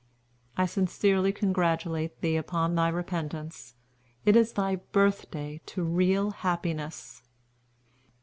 "I sincerely congratulate thee upon thy repentance. It is thy birthday to real happiness."